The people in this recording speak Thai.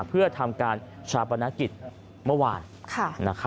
เพื่อทำการชาปนกิจเมื่อวาน